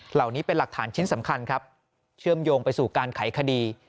เหล่านี้เป็นหลักฐานชิ้นสำคัญครับเชื่อมโยงไปสู่การไขคดี